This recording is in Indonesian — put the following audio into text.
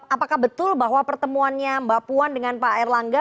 apakah betul bahwa pertemuannya mbak puan dengan pak erlangga